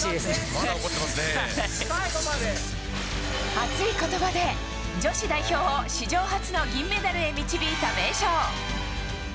熱い言葉で女子代表を史上初の銀メダルへ導いた名将。